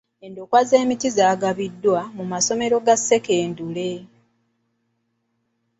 Endokwa z'emiti zaagabiddwa mu masomero ga sekendule.